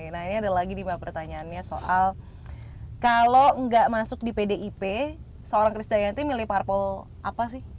nah ini ada lagi nih mbak pertanyaannya soal kalau gak masuk di pdip seorang kristian jantimili purple apa sih